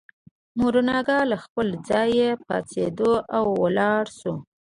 مورګان له خپل ځایه پاڅېد او ولاړ شو